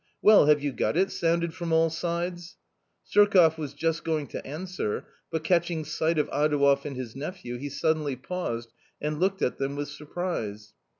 " Well, have you got it ?" sounded from all sides. Surkoff was just going to answer, but catching sight of Adouev and his nephew he suddenly paused and looked at them with surprise.